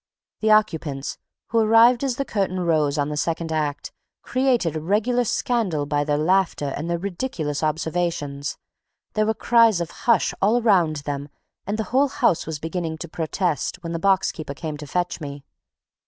The occupants, who arrived as the curtain rose on the second act, created a regular scandal by their laughter and their ridiculous observations. There were cries of "Hush!" all around them and the whole house was beginning to protest, when the box keeper came to fetch me.